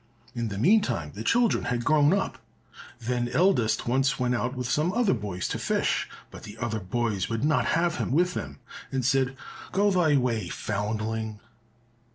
In the meantime the children had grown up. Then eldest once went out with some other boys to fish, but the other boys would not have him with them, and said, "Go thy way, foundling."